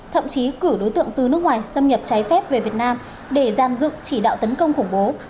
thậm chí cử đối tượng từ nước ngoài xâm nhập trái phép về việt nam để gian dựng chỉ đạo tấn công khủng bố